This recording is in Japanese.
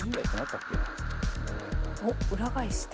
おっ裏返して。